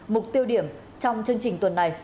mục tiêu điểm trong chương trình tuần này